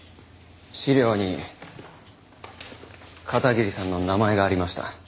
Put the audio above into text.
資料に片桐さんの名前がありました。